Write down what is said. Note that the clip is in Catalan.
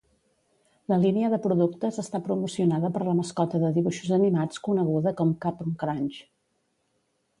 La línia de productes està promocionada per la mascota de dibuixos animats coneguda com Cap'n Crunch.